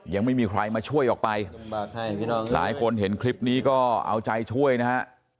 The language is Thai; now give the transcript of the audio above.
ยังไม่มีใครมาช่วยออกไปหลายคนเห็นคลิปนี้ก็เอาใจช่วยนะฮะ